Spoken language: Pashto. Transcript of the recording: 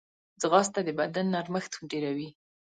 ځغاسته د بدن نرمښت ډېروي